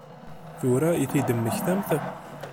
Tura i t-id-temmektamt?